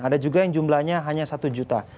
ada juga yang jumlahnya hanya satu juta